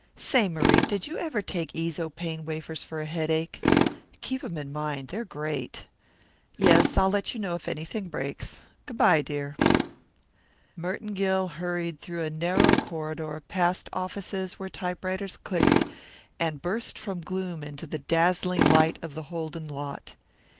Say, Marie, did you ever take Eezo Pain Wafers for a headache? Keep 'em in mind they're great. Yes, I'll let you know if anything breaks. Goo' by, dear." Merton Gill hurried through a narrow corridor past offices where typewriters clicked and burst from gloom into the dazzling light of the Holden lot.